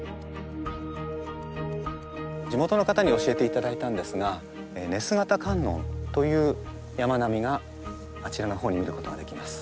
地元の方に教えていただいたんですが寝姿観音という山並みがあちらの方に見ることができます。